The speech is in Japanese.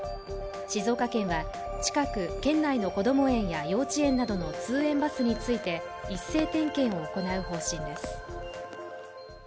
静岡県は近く県内のこども園や幼稚園などの通園バスについて一斉点検を行う方針です。